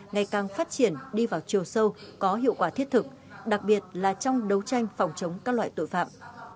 ngày càng phát triển đi vào chiều sâu có hiệu quả thiết thực đặc biệt là trong đấu tranh phòng chống các loại tội phạm